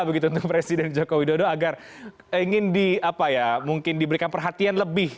begitu untuk presiden joko widodo agar ingin diberikan perhatian lebih